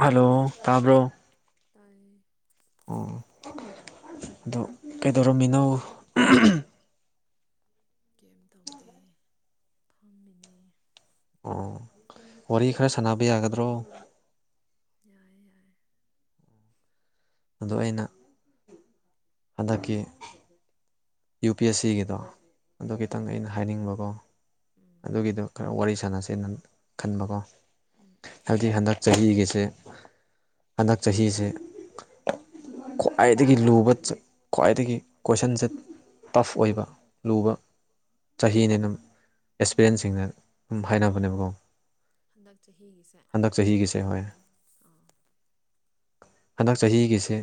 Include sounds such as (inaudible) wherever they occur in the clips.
hello ꯇꯥꯕ꯭ꯔꯣ ꯇꯥꯏꯌꯦ ꯑꯣ ꯑꯗꯣ ꯀꯩꯗꯧꯔꯝꯃꯤꯅꯣ ꯀꯦꯝ ꯇꯧꯗꯦ ꯐꯝꯃꯤꯅꯤ ꯑꯣ ꯋꯥꯔꯤ ꯈꯔꯉ ꯁꯥꯟꯅꯕ ꯌꯥꯒꯗ꯭ꯔꯣ ꯌꯥꯏ ꯌꯥꯏ ꯑꯗꯣ ꯑꯩꯅ ꯍꯟꯗꯛꯀꯤ ꯌꯨ ꯄꯤ ꯑꯦꯁ ꯁꯤꯒꯤ ꯗꯣ ꯑꯗꯨꯒꯤꯇꯪ ꯑꯩꯅ ꯍꯥꯏꯅꯤꯡꯕꯀꯣ ꯑꯗꯨꯒꯤꯗꯣ ꯈꯔ ꯋꯥꯔꯤ ꯁꯥꯟꯅꯁꯦꯅ ꯈꯟꯕꯀꯣ ꯍꯥꯏꯕꯗꯤ ꯍꯟꯗꯛ ꯆꯍꯤꯒꯤꯁꯦ ꯍꯟꯗꯛ ꯆꯍꯤꯁꯦ ꯈ꯭ꯋꯥꯏꯗꯒꯤ ꯂꯨꯕ ꯈ꯭ꯋꯥꯏꯗꯒꯤ ꯀꯣꯏꯁꯟ ꯆꯠ ꯇꯐ ꯑꯣꯏꯕ ꯂꯨꯕ ꯆꯍꯤꯅꯦꯅ ꯑꯦꯛꯁꯄꯤꯔꯌꯦꯦꯟꯁꯁꯤꯡꯅ ꯑꯗꯨꯝ ꯍꯥꯏꯅꯕꯅꯦꯕꯀꯣ ꯍꯟꯗꯛ ꯆꯍꯤꯍꯤ ꯀꯁꯦ ꯍꯦ ꯍꯟꯗꯛ ꯆꯍꯤꯒꯤꯁꯦ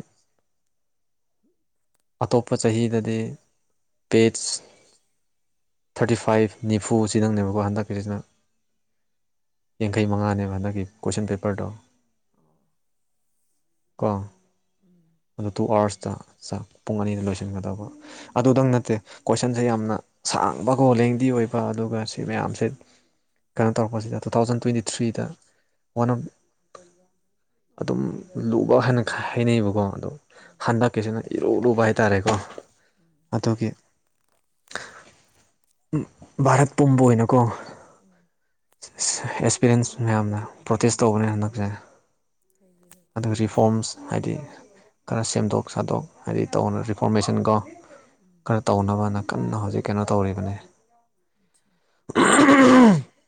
ꯑꯇꯣꯞꯄ ꯆꯍꯤꯗꯗꯤ ꯄꯦꯖ ꯊꯥꯔꯇꯤ ꯐꯥꯏ ꯐꯥꯏꯚ ꯅꯤꯐꯨꯁꯤꯗꯪꯅꯦꯕꯀꯣ ꯍꯟꯗꯛꯀꯤꯁꯤꯅ ꯌꯥꯡꯈꯩ ꯃꯉꯥꯅꯦꯕ ꯍꯟꯗꯛꯀꯤ ꯀꯣꯏꯁꯟ ꯄꯦꯄꯔꯗꯣ ꯀ‌ꯣ ꯑꯗꯨ ꯇꯨ ꯑꯥꯋꯥꯔꯁꯇ ꯄꯨꯡ ꯑꯅꯤꯗ ꯂꯣꯏꯁꯤꯟꯒꯗꯕ ꯑꯗꯨꯗꯪ ꯅꯠꯇꯦ ꯀꯣꯏꯁꯟꯁꯦ ꯌꯥꯝꯅ ꯁꯥꯡꯕꯀꯣ ꯂꯦꯡꯗꯤ ꯑꯣꯏꯕ ꯑꯗꯨꯒ ꯁꯤ ꯃꯌꯥꯝꯁꯦ ꯀꯩꯅꯣ ꯇꯧꯔꯛꯄꯁꯤꯗ ꯇꯨ ꯊꯥꯎꯖꯟ ꯇ꯭ꯋꯦꯟꯇꯤ ꯊ꯭ꯔꯤꯗ ꯋꯥꯟ ꯑꯣꯐ ꯑꯗꯨꯝ ꯂꯨꯕ ꯍꯥꯟꯅ ꯍꯥꯏꯅꯩꯕꯣ ꯑꯗꯣ ꯍꯟꯗꯛꯀꯤꯁꯤꯅ ꯏꯔꯨꯔꯨꯕ ꯍꯥꯏꯇꯥꯔꯦꯀꯣ ꯑꯗꯨꯒꯤ ꯚꯥꯔꯠ ꯄꯨꯝꯕ ꯑꯣꯏꯅꯀꯣ ꯑꯦꯛꯁꯄꯤꯔꯤꯌꯦꯟꯁ ꯃꯌꯥꯝꯅ ꯄ꯭ꯔꯣꯇꯦꯁ ꯇꯧꯕꯅꯦ ꯍꯟꯗꯛꯁꯦ ꯑꯗꯨꯒ ꯔꯤꯐꯣꯝꯁ ꯍꯥꯏꯗꯤ ꯈꯔ ꯁꯦꯝꯗꯣꯛ ꯁꯥꯗꯣꯛ ꯍꯥꯏꯗꯤ ꯇꯧꯅ ꯔꯤꯐꯣꯔꯃꯦꯁꯟ ꯀꯣ ꯈꯔ ꯇꯧꯅꯕꯅ ꯀꯟꯅ ꯍꯧꯖꯤꯛ ꯀꯩꯅꯣ ꯇꯧꯔꯤꯕꯅꯤ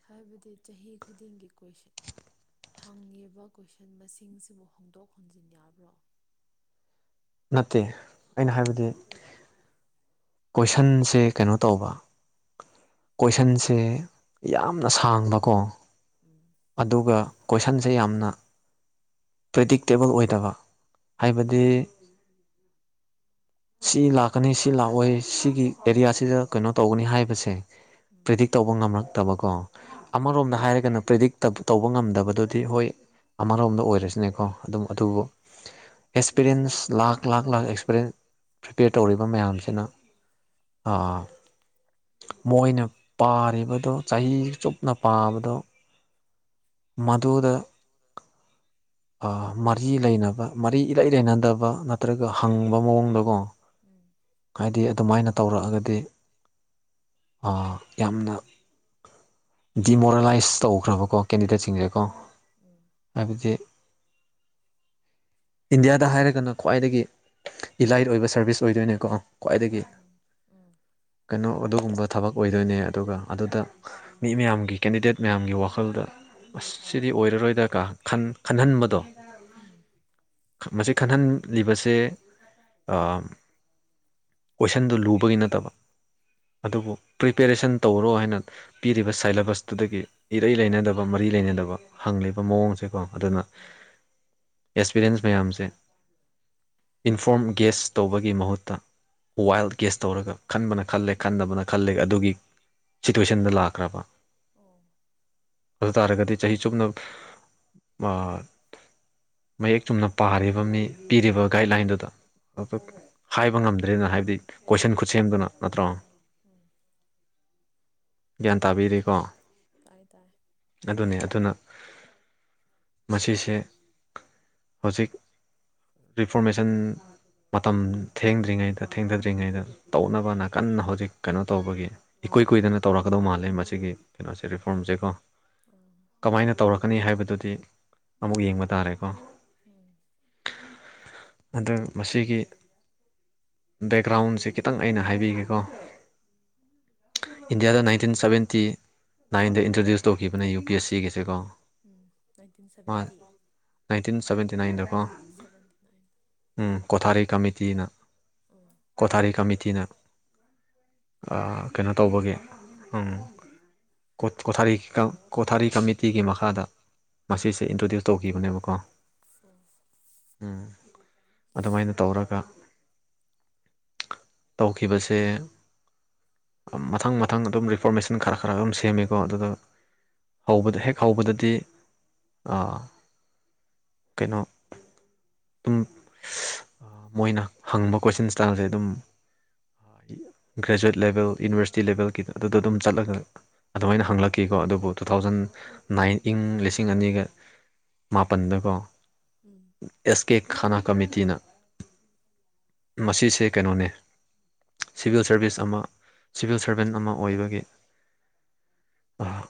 ꯍꯥꯏꯕꯗꯤ ꯆꯍꯤ ꯈꯨꯗꯤꯡꯒꯤ (inaudible) ꯍꯪꯉꯤꯕ ꯀꯣꯏꯁꯟ ꯃꯁꯤꯡꯁꯤꯕꯨ ꯍꯣꯡꯗꯣꯛ ꯍꯣꯟꯖꯤꯟ ꯌꯥꯕ꯭ꯔꯣ ꯅꯠꯇꯦ ꯑꯩꯅ ꯍꯥꯏꯕꯗꯤ ꯀꯣꯏꯁꯟꯁꯦ ꯀꯩꯅꯣ ꯇꯧꯕ ꯀꯣꯏꯁꯟꯁꯦ ꯌꯥꯝꯅ ꯁꯥꯡꯕꯀꯣ ꯑꯗꯨꯒ ꯀꯣꯏꯁꯟꯁꯦ ꯌꯥꯝꯅ ꯄ꯭ꯔꯦꯗꯤꯛꯇꯦꯕꯜ ꯑꯣꯏꯗꯕ ꯍꯥꯏꯕꯗꯤ ꯁꯤ ꯂꯥꯛꯀꯅꯤ ꯁꯤ ꯂꯥꯛꯑꯣꯏ ꯁꯤꯒꯤ ꯑꯦꯔꯤꯌꯥꯁꯤꯗ ꯀꯩꯅꯣ ꯇꯧꯒꯅꯤ ꯍꯥꯏꯕꯁꯦ ꯄ꯭꯭ꯔꯔꯤꯗꯤꯛ ꯇꯧꯕ ꯉꯝꯂꯛꯇꯕꯀꯣ ꯑꯃꯔꯣꯝꯗ ꯍꯥꯏꯔꯒꯅ ꯄ꯭ꯔꯤꯗꯤꯛ ꯇꯧꯕ ꯉꯝꯗꯕꯗꯨꯗꯤ ꯍꯣꯏ ꯑꯃꯔꯣꯝꯗ ꯑꯣꯏꯔꯁꯤꯅꯦꯀꯣ ꯑꯗꯨꯝ ꯑꯗꯨꯕꯨ ꯑꯦꯛꯁꯄꯤꯔꯤꯦꯟꯁ ꯂꯥꯛ ꯂꯥꯛꯈ ꯂꯥꯛ ꯑꯦꯛꯁꯄꯔꯦꯟꯁ ꯄ꯭ꯔꯤꯄꯦꯌꯔ ꯇꯧꯔꯤꯕ ꯃꯌꯥꯝꯁꯤꯅ ꯑꯥ ꯃꯣꯏꯅ ꯄꯥꯔꯤꯕꯗꯨꯣ ꯆꯍꯤ ꯆꯨꯞꯅ ꯄꯥꯕꯗꯣ ꯃꯗꯨꯨꯗ ꯃꯔꯤ ꯂꯩꯅꯕ ꯃꯔꯤ ꯏꯂꯩ ꯂꯩꯅꯗꯕ ꯅꯠꯇ꯭ꯔꯒ ꯍꯪꯕ ꯃꯑꯣꯡꯗꯀꯣ ꯍꯥꯏꯗꯤ ꯑꯗꯨꯃꯥꯏꯅ ꯇꯧꯔꯛꯑꯒꯗꯤ ꯌꯥꯝꯅ ꯗꯤꯃꯣꯔꯦꯂꯥꯏꯁ ꯇꯧꯈ꯭ꯔꯕꯀꯣ ꯀꯦꯟꯗꯤꯗꯦꯠꯁꯤꯡꯁꯦꯀꯣ ꯍꯥꯏꯕꯗꯤ ꯏꯟꯗꯤꯌꯥꯗ ꯍꯥꯏꯔꯒꯅ ꯈ꯭ꯋꯥꯏꯗꯒꯤ ꯏꯂꯥꯏꯠ ꯑꯣꯏꯕ ꯁꯔꯚꯤꯁ ꯑꯣꯏꯗꯣꯏꯅꯦꯀꯣ ꯈ꯭ꯋꯥꯏꯗꯒꯤ ꯀꯩꯅꯣ ꯑꯗꯨꯒꯨꯝꯕꯥ ꯊꯕꯛ ꯑꯣꯏꯗꯣꯏꯅꯦ ꯑꯗꯨꯒ ꯑꯗꯨꯗ ꯃꯤ ꯃꯌꯥꯝꯒꯤ ꯀꯦꯟꯗꯤꯗꯦꯠ ꯃꯌꯥꯝꯒꯤ ꯋꯥꯈꯜꯗ ꯑꯁꯤꯗꯤ ꯑꯣꯏꯔꯔꯣꯏꯗꯀꯥ ꯈꯟꯍꯟꯕꯗꯣ ꯃꯁꯤ ꯈꯟꯍꯜꯂꯤꯕꯁꯦ ꯀꯣꯏꯁꯟꯗꯨ ꯂꯨꯕꯒꯤ ꯅꯠꯇꯕ ꯑꯗꯨꯕꯨ ꯄ꯭ꯔꯤꯄꯦꯔꯦꯁꯟ ꯇꯧꯔꯣ ꯍꯥꯏꯅ ꯄꯤꯔꯤꯕ ꯁꯦꯂꯦꯕꯁꯇꯨꯗꯒꯤ ꯏꯔꯩ ꯂꯩꯅꯗꯕ ꯃꯔꯤ ꯂꯩꯅꯗꯕ ꯍꯪ ꯂꯤꯕꯥꯃꯑꯣꯡꯁꯦꯀ‌ꯣ ꯏꯟꯐꯣꯔꯝ ꯒꯦꯁ ꯇꯧꯕꯒꯤ ꯃꯍꯨꯠꯇ ꯋꯥꯏꯜ ꯀꯦꯁ ꯇꯧꯔꯒ ꯈꯟꯕꯅ ꯈꯜꯂꯦ ꯈꯟꯗꯕꯅ ꯈꯜꯂꯦ ꯑꯗꯨꯒ ꯒꯤ ꯁꯤꯇꯨꯋꯦꯁꯟꯗ ꯂꯥꯛꯈ꯭ꯔꯕꯥ ꯑꯗꯨ ꯇꯥꯔꯒꯗꯤ ꯆꯍꯤ ꯆꯨꯞꯅꯥ ꯃꯌꯦꯛ ꯆꯨꯝꯅ ꯄꯥꯔꯤꯕ ꯃꯤ ꯄꯤꯔꯤꯕ ꯒꯥꯏꯗꯂꯥꯏꯟꯗꯨꯗ ꯍꯥꯏꯕ ꯉꯝꯗ꯭ꯔꯦꯅ ꯍꯥꯏꯕꯗꯤ ꯀꯣꯏꯁꯟ ꯈꯨꯠꯁꯦꯝꯗꯨꯅ ꯅꯠꯇ꯭ꯔꯣ ꯒ꯭ꯌꯥꯟ ꯇꯥꯕꯤꯔꯤꯀꯣ ꯑꯗꯨꯅꯦ ꯑꯗꯨꯅ ꯃꯁꯤꯁꯦ ꯍꯧꯖꯤꯛ ꯔꯤꯐꯣꯔꯃꯦꯁꯟ ꯃꯇꯝ ꯊꯦꯡꯗ꯭ꯔꯤꯉꯩꯗ ꯊꯦꯡꯊꯗ꯭ꯔꯤꯉꯩꯗ ꯇꯧꯅꯕꯅꯅꯥ ꯀꯟꯅ ꯍꯧꯖꯤꯛ ꯀꯩꯅꯣ ꯇꯧꯕꯒꯤ ꯏꯀꯨ ꯀꯨꯏꯗꯅ ꯇꯧꯔꯀꯗꯧ ꯃꯥꯜꯂꯤꯦ ꯃꯁꯤꯒꯤ ꯀꯩꯅꯣꯁꯦ ꯔꯤꯐꯣꯔꯝꯁꯦ ꯀ ꯀꯃꯥꯏꯅ ꯇꯧꯔꯛꯀꯅꯤ ꯍꯥꯏꯕꯗꯨꯗꯤ ꯑꯃꯨꯛ ꯌꯦꯡꯕ ꯇꯥꯔꯦꯀꯣ ꯑꯥꯗ‌ꯨ ꯃꯁꯤꯒꯤ ꯕꯦꯛꯒ꯭ꯔꯥꯎꯟꯁꯦ ꯈꯤꯇꯪ ꯑꯩꯅ ꯍꯥꯏꯕꯤꯒꯦꯀꯣ ꯏꯟꯗꯤꯌꯥꯗ ꯅꯥꯏꯟꯇꯤꯟ ꯁꯕꯦꯟꯇꯤ ꯅꯥꯏꯟꯗ ꯏꯟꯇ꯭ꯔꯗ꯭ꯌꯨꯁ ꯇꯧꯈꯤꯕꯅꯦ ꯌꯨ ꯄꯤ ꯑꯦꯁ ꯁꯤꯒꯤꯁꯦ ꯀꯣ ꯅꯥꯏꯟꯇꯤꯟ ꯁꯚꯦꯟꯇꯤ ꯅꯥ ꯑꯩꯅꯗꯀꯣ ꯎꯝ ꯀꯣꯊꯥꯔꯤ ꯀꯃꯤꯇꯤꯅ ꯀꯊꯥꯔꯤ ꯀꯃꯤꯇꯤꯅ ꯀꯩꯅꯣ ꯇꯧꯕꯒꯤ ꯎꯝ ꯀꯣꯊꯥꯔꯤ ꯀꯣꯊꯥꯔꯤ ꯀꯃꯤꯇꯤꯒꯤ ꯃꯈꯥꯗ ꯃꯁꯤꯁꯦ ꯏꯟꯇ꯭ꯔꯣꯗ꯭ꯌꯨꯁ ꯇꯧꯈꯤꯕꯅꯦꯕꯀꯣ ꯎꯝ ꯑꯗꯨꯃꯥꯏꯅ ꯇꯧꯔꯒ ꯇꯧꯈꯤꯕꯁꯦ ꯃꯊꯪ ꯃꯊꯪ ꯑꯗꯨꯝ ꯔꯤꯐꯣꯔꯃꯦꯁꯟ ꯈꯔ ꯈꯔ ꯑꯗꯨꯝ ꯁꯦꯝꯃꯤꯀꯣ ꯑꯗꯨꯗ ꯍꯧꯕꯗ ꯍꯦꯛ ꯍꯧꯕꯗꯗꯤ ꯑꯥ ꯀꯩꯅꯣ ꯑꯗꯨꯝ ꯃꯣꯏꯅ ꯍꯪꯕ ꯀꯣꯏꯁꯟ ꯁ꯭ꯇꯥꯏꯜꯁꯦ ꯑꯗꯨꯝ ꯍꯥꯏꯗꯤ ꯒ꯭ꯔꯦꯖꯨꯋꯦꯠ ꯂꯦꯕꯦꯜ ꯌꯨꯅꯤꯚꯔꯁꯤꯇꯤ ꯂꯦꯚꯦꯜꯒꯤꯗ ꯑꯗꯨꯗ ꯑꯗꯨꯝ ꯆꯠꯂꯒ ꯑꯗꯨꯃꯥꯏꯅ ꯍꯪꯂꯛꯈꯤꯀꯣ ꯑꯗꯨꯕꯨ ꯇꯨ ꯊꯥꯎꯖꯟ ꯅꯥꯏꯟ ꯏꯪ ꯂꯤꯁꯤꯡ ꯑꯅꯤꯒꯥ ꯃꯥꯄꯜꯗꯀꯣ ꯑꯦꯁ ꯀꯦ ꯈꯥꯅꯥ ꯀꯃꯤꯇꯤꯅ ꯃꯁꯤꯁꯦ ꯀꯩꯅꯣꯅꯦ ꯁꯤꯚꯤꯜ ꯁꯥꯔꯚꯤꯁ ꯑꯃ ꯁꯤꯚꯤꯜ ꯁꯔꯚꯦꯟ ꯑꯃ ꯑꯣꯏꯕꯒꯤ ꯑꯥ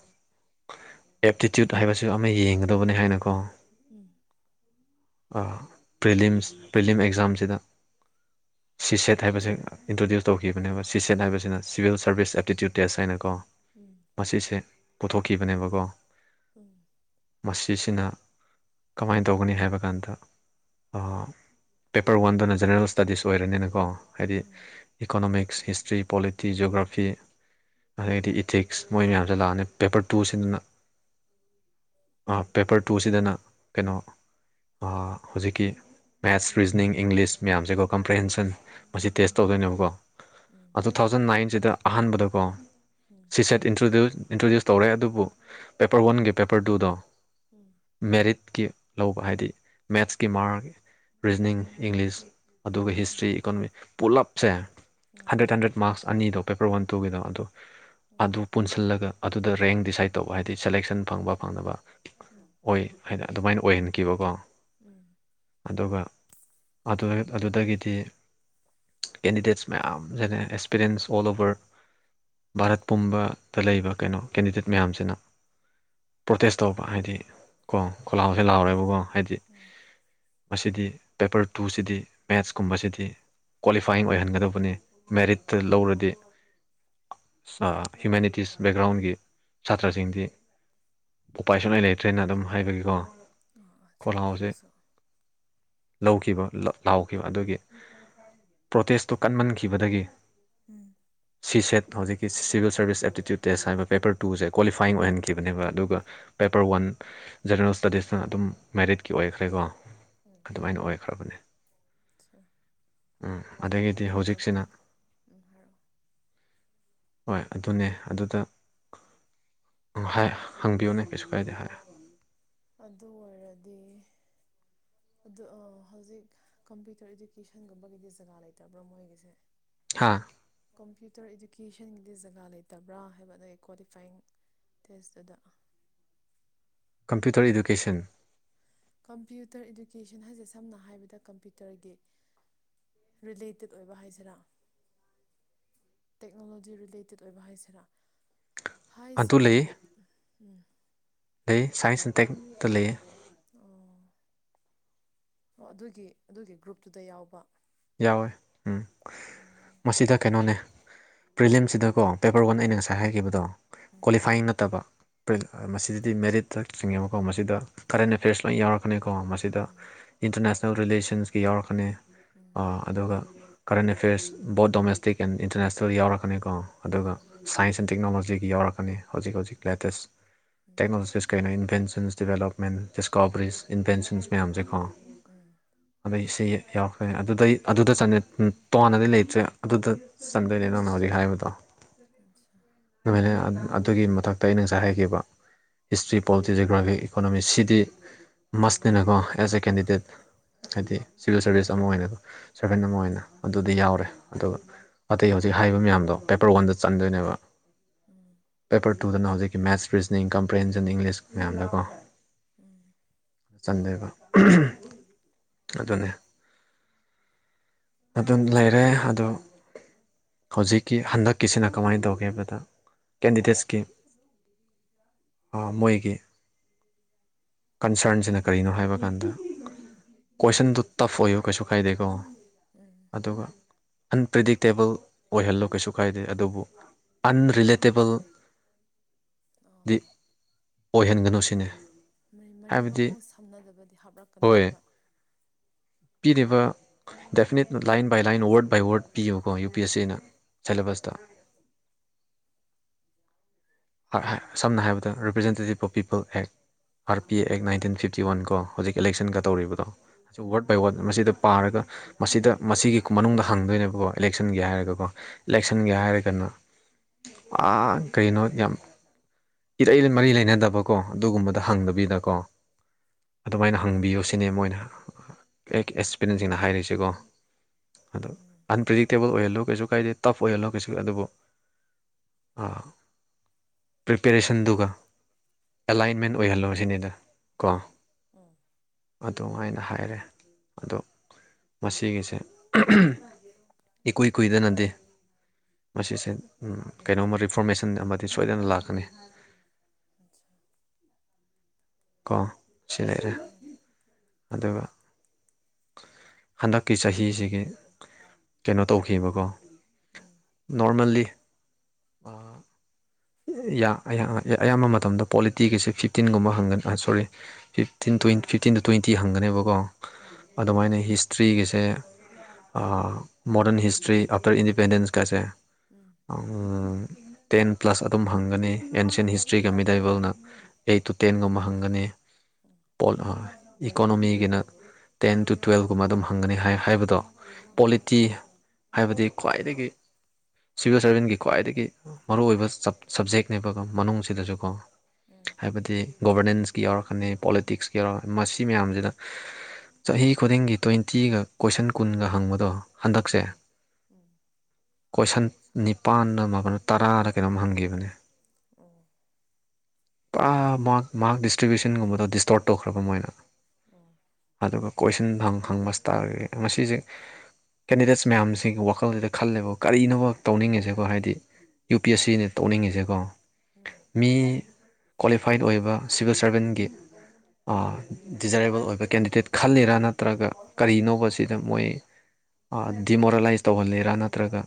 ꯑꯦꯞꯇꯤꯇ꯭ꯌꯨꯠ ꯍꯥꯏꯕꯕꯁꯤ ꯑꯃ ꯌꯦꯡꯒꯗꯧꯕꯅꯤ ꯍꯥꯏꯅꯀꯣ ꯄ꯭ꯔꯤꯝ ꯄ꯭ꯔꯤꯂꯤꯝ ꯑꯦꯛꯖꯥꯝꯁꯤꯗ ꯁꯤ ꯁꯦꯠ ꯍꯥꯏꯕꯁꯦ ꯏꯟꯇ꯭ꯔꯣꯗ꯭ꯌꯨꯁ ꯇꯧꯈꯤꯕꯅꯦꯕ ꯁꯤ ꯁꯦꯠ ꯍꯥꯏꯕꯁꯤꯅ ꯁꯤꯚꯤꯜ ꯁꯥꯔꯚꯤꯁꯁ ꯑꯦꯞꯇꯤꯇ꯭ꯌꯨꯠ ꯇꯦꯁ ꯍꯥꯏꯅꯀꯣ ꯃꯁꯤꯁꯦ ꯄꯨꯊꯣꯛꯈꯤꯕꯅꯦꯕꯀꯣ ꯃꯁꯤꯁꯤꯅ ꯀꯃꯥꯏꯅ ꯇꯧꯒꯅꯤ ꯍꯥꯏꯕ ꯀꯥꯟꯗꯥ ꯑꯥ ꯄꯦꯄꯔ ꯋꯥꯟꯗꯅ ꯖꯦꯅꯔꯦꯜ ꯁ꯭ꯇꯗꯤꯁ ꯑꯣꯏꯔꯅꯤꯅꯀꯣ ꯍꯥꯏꯗꯤ economics history polity geography ꯑꯁꯗꯤ ꯐꯤꯇꯤꯛꯁ ꯃꯣꯏ ꯃꯌꯥꯝꯁꯦ ꯂꯥꯛꯑꯅꯤ ꯄꯦꯄꯔ ꯇꯨꯁꯤꯗꯅꯥ ꯄꯦꯄꯔ ꯇꯨꯁꯤꯗꯅ ꯀꯩꯅꯣ ꯍꯧꯖꯤꯛꯀꯤ ꯃꯦꯠꯁ ꯔꯤꯖꯅꯤꯡ ꯏꯪꯂꯤꯁ ꯃꯌꯥꯝꯁꯦꯀꯣ ꯀꯝꯄ꯭ꯔꯤꯍꯦꯟꯁꯟ ꯃꯁꯤ ꯇꯦꯁ ꯇꯧꯗꯣꯏꯅꯦꯕꯀꯣ ꯇꯨ ꯊꯥꯎꯖꯟ ꯅꯥꯏꯟꯁꯤꯗ ꯑꯍꯥꯟꯕꯗꯀꯣ ꯁꯤꯁꯦꯠ ꯇ ꯏꯟꯇ꯭ꯔꯣꯗ꯭ꯌꯨꯁ ꯇꯧꯔꯦ ꯑꯗꯨꯕꯨ ꯄꯦꯄꯔ ꯋꯥꯟꯒꯤ ꯄꯦꯄꯔ ꯇꯨꯗꯣ ꯃꯦꯔꯤꯠ ꯀꯤ ꯂꯧꯕ ꯍꯥꯏꯗꯤ ꯃꯦꯠꯁꯀꯤ ꯃꯥꯔꯛ ꯔꯤꯖꯅꯤꯡ ꯏꯪꯂꯤꯁ ꯑꯗꯨꯒ ꯍꯤꯁꯇ꯭ꯔꯤ ꯏꯀꯣꯅꯣꯃꯤꯛ ꯄꯨꯂꯞꯁꯦ ꯍꯟꯗ꯭ꯔꯦꯠ ꯍꯟꯗ꯭ꯔꯦꯠ ꯃꯥꯔꯛꯁ ꯑꯅꯤꯗꯣ ꯄꯦꯄꯔ ꯋꯥꯟ ꯇꯨꯒꯤꯗꯣ ꯑꯗꯨ ꯄꯨ ꯈꯜꯂꯒ ꯑꯗꯨꯗ ꯔꯦꯡ ꯗꯤꯁꯥꯏꯠ ꯇꯧꯕ ꯍꯥꯏꯗꯤ ꯁꯦꯂꯦꯛꯁꯟ ꯐꯪꯕ ꯐꯪꯅꯕ ꯑꯣꯏ ꯍꯥꯏꯅ ꯑꯗꯨꯃꯥꯏꯅ ꯑꯣꯏꯍꯟꯈꯤꯕꯀꯣ ꯎꯝ ꯑꯗꯨꯒ ꯑꯗꯨꯗꯒꯤꯗꯤ ꯀꯦꯟꯗꯤꯗꯦꯠꯁ ꯃꯌꯥꯝ ꯑꯦꯛꯁꯄꯤꯔꯤꯌꯦꯟꯁ ꯑꯣꯜ ꯑꯣꯚꯔ ꯚꯥꯔꯠ ꯄꯨꯝꯕꯥꯗ ꯂꯩꯕ ꯀꯩꯅꯣ ꯀꯦꯟꯗꯤꯗꯦꯠ ꯃꯌꯥꯝꯁꯤꯅꯥ ꯄ꯭ꯔꯣꯇꯦꯁ ꯇꯧꯕ ꯍꯥꯏꯗꯤ ꯀꯣ ꯀꯣꯂꯥꯎꯁꯦ ꯂꯥꯎꯍꯔꯦꯕꯀꯣ ꯍꯥꯏꯗꯤ ꯃꯁꯤꯗꯤ ꯄꯦꯄꯔ ꯇꯨꯁꯤꯗꯤ ꯃꯦꯠꯁꯀꯨꯝꯕꯁꯤꯗꯤ ꯀ꯭ꯋꯥꯂꯤꯐꯥꯏꯤꯡ ꯑꯣꯏꯍꯟꯒꯗꯕꯅꯤ ꯃꯦꯔꯤꯠꯇ ꯂꯧꯔꯗꯤ ꯍ꯭ꯌꯨꯃꯅꯤꯇꯤꯁ ꯕꯦꯛꯒ꯭ꯔꯥꯎꯟꯒꯤ ꯁꯥꯇ꯭ꯔꯁꯤꯡꯗꯤ ꯎꯄꯥꯏꯁꯨ ꯂꯩꯇ꯭ꯔꯦꯅ ꯑꯗꯨꯝ ꯍꯥꯏꯕꯒꯤꯀꯣ ꯈꯣꯂꯥꯎꯁꯦ ꯂꯧꯈꯤꯕ ꯂꯥꯎꯈꯤꯕ ꯑꯗꯨꯒꯤ ꯄ꯭ꯔꯣꯇꯦꯁꯇꯨ ꯀꯟꯃꯟꯈꯤꯕꯗꯒꯤ ꯎꯝ ꯁꯦꯠ ꯍꯧꯖꯤꯛꯀꯤ ꯁꯤꯚꯤꯜ ꯁꯔꯕꯤꯁ ꯑꯦꯞꯇꯤꯇ꯭ꯌꯨꯠ ꯇꯦꯁ ꯍꯥꯏꯕ ꯄꯦꯄꯔ ꯇꯨꯁꯦ ꯀ꯭ꯋꯥꯂꯤꯐꯥꯏꯤꯡ ꯑꯣꯏꯍꯟꯈꯤꯕꯅꯦꯕ ꯑꯗꯨꯒ ꯄꯦꯄꯔ ꯋꯥꯟ ꯖꯦꯅꯔꯦꯜ ꯏꯁꯇꯗꯤꯁꯅ ꯑꯗꯨꯝ ꯃꯦꯔꯤꯠꯀꯤ ꯑꯣꯏꯈ꯭ꯔꯦꯀꯣ ꯑꯗꯨꯃꯥꯏꯅ ꯑꯣꯏꯈ꯭ꯔꯕꯅꯦ ꯎꯝ ꯑꯗꯒꯤꯗꯤ ꯍꯧꯖꯤꯛꯁꯤꯅ ꯍꯣꯏ ꯑꯗꯨꯅꯦ ꯑꯗꯨꯗ ꯎꯝ ꯍꯥꯏ ꯍꯪꯕꯤꯌꯨꯅꯦ ꯀꯩꯁꯨ ꯀꯥꯏꯗꯦ ꯍꯥꯏ ꯑꯗꯨ ꯑꯣꯏꯔꯗꯤ ꯑꯥ ꯍꯧꯖꯤꯛ ꯀꯝꯄ꯭ꯌꯨꯇꯔ ꯏꯗꯨꯀꯦꯁꯟꯒꯨꯝꯕꯒꯤꯗꯤ ꯖꯒꯥ ꯂꯩꯇꯕ꯭ꯔꯣ ꯃꯣꯏꯒꯤꯁꯦ ꯍꯥꯥ ꯀꯝꯄ꯭ꯌꯨꯇꯔ ꯏꯗꯨꯀꯦꯁꯟꯒꯤꯗꯤ ꯖꯒꯥ ꯂꯩꯇꯕ꯭ꯔꯥ ꯍꯥꯏꯕ ꯅꯒꯤ ꯀ꯭ꯋꯥꯂꯤꯐꯥꯏꯤꯡ ꯇꯁꯇꯨꯗꯥ ꯀꯝꯄ꯭ꯌꯨꯇꯔ ꯏꯗꯨꯀꯦꯁꯟ ꯀꯝꯄ꯭ꯌꯨꯇꯔ ꯏꯗꯨꯀꯦꯁꯟ ꯍꯥꯏꯁꯦ ꯁꯝꯅ ꯍꯥꯏꯔꯕꯗ ꯀꯝꯄ꯭ꯌꯨꯇꯔꯒꯤ ꯔꯤꯂꯦꯇꯦꯠ ꯑꯣꯏꯕ ꯍꯥꯏꯁꯤꯔꯥ ꯇꯦꯛꯅꯣꯂꯣꯖꯤ ꯔꯤꯂꯦꯇꯦꯠ ꯑꯣꯏꯕ ꯍꯥꯏꯁꯤꯔꯥ ꯍꯥꯏꯁꯤꯗꯕꯨ ꯎꯝ ꯂꯩ ꯁꯉꯟꯁ ꯅꯇꯛꯇ ꯂꯩꯌꯦ ꯑꯣ ꯑꯣ ꯑꯗꯨꯒꯤ ꯑꯗꯨꯒꯤ ꯒ꯭ꯔꯨꯞꯇꯨꯗ ꯌꯥꯎꯕ ꯌꯥꯎꯋꯦ ꯎꯝ ꯃꯁꯤꯗ ꯀꯩꯅꯣꯅꯦ ꯄ꯭ꯔꯤꯂꯦꯝꯝꯁꯤꯗ ꯀꯣ ꯄꯦꯄꯔ ꯋꯥꯟ ꯑꯩꯅ ꯉꯁꯥꯏ ꯍꯥꯏꯈꯤꯕꯗꯣ ꯀ꯭ꯋꯥꯂꯤꯐꯥꯏꯤꯡ ꯅꯠꯇꯕ ꯃꯁꯤꯗꯗꯤ ꯃꯦꯔꯤꯠꯇ ꯆꯤꯡꯉꯦꯕꯀꯣ ꯃꯁꯤꯗ ꯀꯔꯦꯟ ꯑꯦꯐ꯭ꯌꯔꯁ ꯂꯣꯏ ꯌꯥꯎꯔꯛꯀꯅꯤ ꯀꯣ ꯃꯁꯤꯗ ꯏꯟꯇꯔꯅꯦꯁꯅꯦꯜ ꯔꯤꯂꯦꯁꯟꯁꯀꯤ ꯌꯥꯎꯔꯛꯀꯅꯤ ꯑꯗꯨꯒ current affairs both domestic and international ꯌꯥꯎꯔꯛꯀꯅꯤꯀꯣ ꯑꯗꯨꯒ ꯁꯥꯏꯟꯁ ꯑꯦꯟ ꯇꯦꯛꯅꯣꯂꯣꯖꯤꯒꯤ ꯌꯥꯎꯔꯛꯀꯅꯤ ꯍꯧꯖꯤꯛ ꯍꯧꯖꯤꯛ ꯂꯦꯇꯦꯁ ꯇꯦꯛꯅꯣꯖꯤꯁ ꯀꯩꯅꯅ ꯏꯚꯦꯟꯟꯁ ꯗꯤꯕꯂꯞꯃꯦꯟ ꯗꯤꯁꯀꯣꯕꯔꯤꯁ ꯏꯟꯚꯦꯟꯁꯟꯁ ꯃꯌꯥꯝꯁꯦꯀꯣ ꯑꯗꯩ ꯁꯤ ꯌꯥꯎꯈ꯭ꯔꯦ ꯑꯗꯨꯗ ꯑꯗꯨꯗ ꯆꯠꯅꯤ ꯎꯝ ꯇꯣꯉꯥꯟꯅꯗꯤ ꯂꯩꯇ꯭ꯔꯦ ꯑꯗꯨꯗ ꯆꯟꯗꯣꯏꯅꯦ ꯅꯪꯅ ꯍꯧꯖꯤꯛ ꯍꯥꯏꯕꯗꯣ ꯅꯨꯃꯤ ꯑꯗꯨꯒꯤ ꯃꯊꯛꯇ ꯑꯩꯅ ꯉꯁꯥꯏ ꯍꯥꯏꯈꯤꯕ ꯍꯤꯁꯇ꯭ꯔꯤ ꯄꯣꯂꯤꯇꯤꯔꯤ ꯖꯤꯒ꯭ꯔꯥꯐꯤ ꯏꯀꯣꯅꯣꯃꯤ ꯁꯤꯗꯤ ꯃꯁꯅꯤꯅꯀꯣ ꯑꯦꯁ ꯑꯦ ꯀꯦꯟꯗꯤꯗꯦꯠ ꯍꯥꯏꯗꯤ ꯁꯤꯚꯜ ꯁꯔꯕꯤꯁ ꯑꯃ ꯑꯣꯏꯅ ꯑꯗꯨꯣ ꯁꯔꯚꯦꯟ ꯑꯃ ꯑꯣꯏꯅ ꯑꯗꯨꯗꯤ ꯌꯥꯎꯔꯦ ꯑꯗꯨꯒ ꯑꯇꯩ ꯍꯧꯖꯤꯛ ꯍꯥꯏꯕ ꯃꯌꯥꯝꯗꯣ ꯄꯦꯄꯔ ꯋꯥꯟꯗ ꯆꯟꯗꯣꯏꯅꯦꯕ ꯄꯦꯄꯔ ꯇꯨꯗꯅ ꯍꯧꯖꯤꯛꯀꯤ ꯃꯦꯠꯁ ꯔꯤꯖꯅꯤꯡ ꯀꯝꯄ꯭ꯔꯦꯟꯖꯟ ꯏꯪꯂꯤꯁ ꯃꯌꯥꯝꯗꯀꯣ ꯆꯟꯗꯣꯏꯕ ꯑꯗꯨꯅꯦ ꯑꯗꯨꯝ ꯂꯩꯔꯦ ꯑꯗꯨ ꯍꯧꯖꯤꯛꯀꯤ ꯍꯟꯗꯛꯀꯤꯁꯤꯅ ꯀꯃꯥꯏꯅ ꯇꯧꯒꯦ ꯍꯥꯏꯕꯗ ꯀꯦꯟꯗꯤꯗꯦꯠꯁꯀꯤ ꯑ ꯃꯣꯏꯒꯤ ꯀꯟꯁꯔꯟꯁꯤꯅ ꯀꯔꯤꯅꯣ ꯍꯥꯏꯕ ꯀꯥꯟꯗ ꯀꯣꯏꯁꯟꯗꯨ ꯇꯐ ꯑꯣꯏꯌꯨ ꯀꯩꯁꯨ ꯍꯥꯏꯗꯦꯀꯣ ꯑꯗꯨꯒ ꯑꯟꯄ꯭ꯔꯤꯗꯤꯛꯇꯦꯕꯜ ꯑꯣꯏꯍꯜꯂꯣ ꯀꯩꯁꯨ ꯀꯥꯏꯗꯦ ꯑꯗꯨꯕꯨ ꯑꯟꯔꯤꯂꯦ ꯇꯦꯕꯜ ꯗꯤ ꯑꯣꯏꯍꯟꯒꯅꯨ ꯁꯤꯅꯦ ꯃ ꯃꯈꯣꯡ ꯁꯝꯅꯗꯕꯗꯤ ꯍꯥꯞꯂꯛꯀꯅꯣ ꯍꯥꯏꯕ ꯄꯤꯔꯤꯕ ꯗꯦꯐꯤꯅꯦꯠ ꯂꯥꯏꯟ ꯕꯥꯏ ꯂꯥꯏꯟ ꯋꯥꯔꯠ ꯕꯥꯏ ꯋꯥꯔꯠ ꯄꯤꯌꯦꯕꯀꯣ ꯌꯨ ꯄꯤ ꯑꯦꯁ ꯁꯤꯅ ꯁꯤꯂꯕꯁꯗ ꯁꯝꯅ ꯍꯥꯏꯔꯕꯗ representative of people act R P A act nineteen fifty one ꯀꯣ ꯍꯧꯖꯤꯛ ꯏꯂꯦꯛꯁꯟꯒ ꯇꯧꯔꯤꯕꯗꯣ ꯑꯁꯤ ꯋꯥꯔꯗ ꯕꯥꯏ ꯋꯥꯔꯗ ꯃꯁꯤꯗ ꯄꯥꯔꯒ ꯃꯁꯤꯗ ꯃꯁꯤꯒꯤ ꯃꯅꯨꯡꯗ ꯍꯪꯗꯣꯏꯅꯦꯕꯀꯣ ꯏꯂꯦꯛꯁꯟꯒꯤ ꯍꯥꯏꯔꯒꯀꯣ ꯏꯂꯦꯛꯁꯟꯒꯤ ꯍꯥꯏꯔꯒꯅ ꯑꯥ ꯀꯩꯅꯣ ꯌꯥꯝ ꯏꯔꯩ ꯃꯔꯤ ꯂꯩꯅꯗꯕꯀꯣ ꯑꯗꯨꯒꯨꯝꯕꯗ ꯍꯪꯗꯕꯤꯗꯀꯣ ꯑꯗꯨꯃꯥꯏꯅ ꯍꯪꯕꯤꯌꯨ ꯁꯤꯅꯦ ꯃꯣꯏꯅ ꯑꯦ ꯑꯦꯛꯁꯄꯤꯔꯦꯟꯁꯁꯤꯡꯅ ꯍꯥꯏꯔꯤꯁꯤꯀꯣ ꯑꯗꯣ ꯑꯟꯄ꯭ꯔꯤꯗꯤꯛꯇꯦꯕꯜ ꯑꯣꯏꯍꯜꯂꯨ ꯀꯩꯁꯨ ꯀꯥꯏꯗꯦ ꯇꯐ ꯑꯣꯏꯍꯜꯂꯣ ꯀꯩꯁꯨ ꯑꯗꯨꯕꯨ ꯑꯥ ꯄ꯭ꯔꯤꯄꯦꯔꯦꯁꯟꯗꯨꯒ ꯑꯦꯂꯥꯏꯟꯃꯦꯟ ꯑꯣꯏꯍꯜꯂꯣ ꯁꯤꯅꯤꯗ ꯀꯣ ꯑꯗꯨꯃꯥꯏꯅ ꯍꯥꯏꯔꯦ ꯑꯗꯣ ꯃꯁꯤꯒꯤꯁꯦ ꯏꯀꯨꯏ ꯀꯨꯏꯗꯅꯗꯤꯦ ꯃꯁꯤꯁꯦ ꯀꯩꯅꯣꯝꯃ ꯔꯤꯐꯣꯔꯃꯦꯁꯟ ꯑꯃꯗꯤ ꯁ ꯄꯗꯦꯟ ꯏꯂꯀꯅꯤ ꯀꯣ ꯁꯤꯂꯩꯦ ꯑꯗꯨꯒ ꯍꯟꯗꯛꯀꯤ ꯆꯍꯤꯁꯤꯒꯤ ꯀꯩꯅꯣ ꯇꯧꯈꯤꯕꯀꯣ ꯅꯣꯔꯃꯦꯜꯂꯤ ꯑꯌꯥꯝꯕ ꯃꯇꯝꯗ ꯀ꯭ꯋꯥꯂꯤꯇꯤꯒꯁꯦ ꯐꯤꯞꯇꯤꯟꯒꯨꯝꯕ ꯍꯪꯒꯅꯤ ꯁꯣꯔꯤ ꯐꯤꯞꯇꯤꯟ ꯇ ꯐꯤꯞꯇꯤꯟꯗ ꯇ꯭ꯋꯦꯟꯇꯤ ꯍꯪꯒꯅꯦꯕꯀꯣ ꯑꯗꯨꯃꯥꯏꯅ ꯍꯤꯁꯇ꯭ꯔꯤꯒꯤꯁꯦ ꯃꯣꯗꯔꯟ ꯍꯤꯁꯇ꯭ꯔꯤ ꯑꯥꯞꯇꯔ ꯏꯟꯗꯤꯄꯦꯟꯗꯦꯟꯁ ꯀꯁꯦ ꯇꯦꯟ ꯄ꯭ꯂꯁ ꯑꯗꯨꯝ ꯍꯪꯒꯅꯤ ꯑꯦꯟꯁꯤꯟ ꯍꯤꯁꯇ꯭ꯔꯤꯒ ꯃꯤꯗꯥꯏꯕꯜꯅ ꯑꯩꯠ ꯇꯨ ꯇꯦꯟꯒꯨꯝꯕ ꯐꯪꯒꯅꯤ ꯄꯣꯠ ꯏꯀꯣꯅꯣꯃꯤꯒꯤꯅ ꯇꯦꯟ ꯇꯨ ꯇꯨꯌꯦꯦꯜꯕ ꯀꯨꯝꯕ ꯑꯗꯨꯝ ꯍꯪꯒꯅꯤ ꯍꯥꯏꯕꯗꯣ ꯄꯣꯂꯤꯇꯤ ꯍꯥꯏꯕꯗꯤ ꯈ꯭ꯋꯥꯏꯗꯒꯤ ꯁꯤꯚꯤꯜ ꯁꯔꯕꯤꯖꯀꯤ ꯈ꯭ꯋꯥꯏꯗꯒꯤ ꯃꯔꯨꯑꯣꯏꯕ ꯁꯕꯖꯦꯛꯅꯦꯕꯀꯣ ꯃꯅꯨꯡꯁꯤꯗꯁꯨꯀꯣ ꯍꯥꯏꯕꯗꯤ ꯒꯣꯚꯔꯅꯦꯟꯁꯀꯤ ꯌꯥꯎꯔꯛꯀꯅꯤ ꯄꯣꯂꯤꯇꯤꯛꯁꯀꯤ ꯌꯥꯎꯔꯛꯀꯅꯤ ꯃꯁꯤ ꯃꯌꯥꯝꯁꯤꯗ ꯆꯍꯤ ꯈꯨꯗꯤꯡꯒꯤ ꯇ꯭ꯋꯦꯟꯇꯤꯒ ꯀꯣꯏꯁꯟ ꯀꯨꯟꯒ ꯍꯪꯕꯗꯣ ꯍꯟꯗꯛꯁꯦ ꯀꯣꯏꯁꯟ ꯅꯤꯄꯥꯥꯟꯗ ꯃꯥꯄꯜ ꯇꯔꯥ ꯔꯥ ꯀꯩꯅꯣꯝ ꯍꯪꯈꯤꯕꯅꯦ ꯑ ꯃ (unintelligible) ꯃꯥꯔꯛ ꯗꯤꯁꯇ꯭ꯔꯤꯕ꯭ꯌꯨꯁꯟꯒꯨꯝꯕꯗꯣ ꯗꯤꯁꯇꯣꯔꯠ ꯇꯧꯈ꯭ꯔꯕ ꯃꯣꯏꯅ ꯑꯗꯨꯒ ꯀꯣꯏꯁꯟ ꯐꯪ ꯍꯪꯕꯁ ꯇꯥꯔꯒꯗꯤ ꯃꯁꯤꯁꯦ ꯀꯦꯟꯗꯤꯗꯦꯠꯁ ꯃꯌꯥꯝꯁꯤꯒꯤ ꯋꯥꯈꯜꯁꯤꯗ ꯈꯜꯂꯦꯕ ꯀꯔꯤꯅꯣꯕ ꯇꯧꯅꯤꯡꯉꯤꯁꯦꯀꯣ ꯍꯥꯏꯗꯤ ꯌꯨ ꯄꯤ ꯑꯦꯁ ꯁꯤꯅ ꯇꯧꯅꯤꯡꯉꯤꯁꯦꯀꯣ ꯃꯤ ꯀ꯭ꯋꯥꯂꯤꯐꯥꯏꯠ ꯑꯣꯏ ꯁꯤꯚꯤꯜ ꯁꯥꯔꯕꯦꯟꯒꯤ ꯗꯤꯖꯔꯦꯕꯜ ꯑꯣꯏꯕ ꯀꯦꯟꯗꯤꯗꯦꯠ ꯈꯜꯂꯤꯔꯥ ꯅꯠꯇ꯭ꯔꯒ ꯀꯔꯤꯅꯣ ꯁꯤꯗ ꯃꯣꯏ ꯗꯤꯃꯣꯔꯦꯂꯥꯏꯁ ꯇꯧꯍꯜꯂꯤꯔꯥ ꯅꯠꯇ꯭ꯔꯒ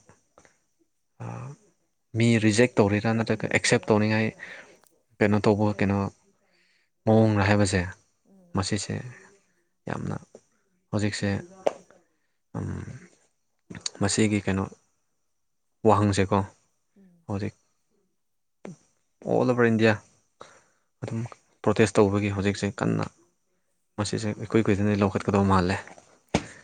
ꯃꯤ ꯔꯤꯖꯦꯛ ꯇꯧꯔꯤꯔꯥ ꯅꯠꯇ꯭ꯔꯒ ꯑꯦꯛꯁꯦꯞ ꯇꯧꯅꯤꯡꯉꯥꯏ ꯀꯩꯅꯣ ꯇꯧꯕ ꯀꯩꯅꯣ ꯃꯑꯣꯡꯅ ꯍꯥꯏꯕꯁꯦ ꯃꯁꯤꯁꯦ ꯌꯥꯝꯅ ꯍꯧꯖꯤꯛꯁꯦ ꯃꯁꯤꯒꯤ ꯀꯩꯅꯣ ꯋꯥꯍꯪꯁꯦꯀꯣ ꯍꯧꯖꯤꯛ ꯑꯣꯜ ꯑꯣꯚꯔ ꯏꯟꯗꯤꯌꯥ ꯑꯗꯨꯝ ꯄ꯭ꯔꯣꯇꯦꯁ ꯇꯧꯕꯒꯤ ꯍꯧꯖꯤꯛꯁꯦ ꯀꯟꯅ ꯃꯁꯤꯁꯦ ꯏꯀꯨꯏ ꯀꯨꯏꯗꯅꯩ ꯂꯧꯈꯠꯀꯗꯧ ꯃꯥꯜꯂꯦ